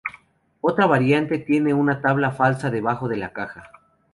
Otra variante tiene una tabla falsa debajo de la caja.